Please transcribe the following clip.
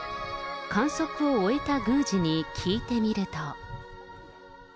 観測を終えた宮司に聞いてみると。